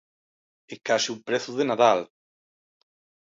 É case un prezo de Nadal.